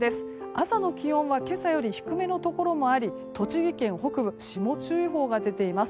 朝の気温は今朝より低めのところもあり栃木県北部霜注意報が出ています。